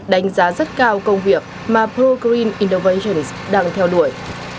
đánh giá rất cao công việc mà pro green innovations đang theo đuổi